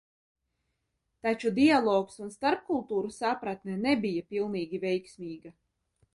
Taču dialogs un starpkultūru sapratne nebija pilnīgi veiksmīga.